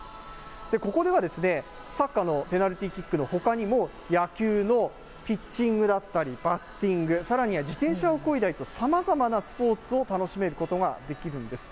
ここでは、サッカーのペナルティーキックのほかにも、野球のピッチングだったり、バッティング、さらには自転車をこいだりと、さまざまなスポーツを楽しめることができるんです。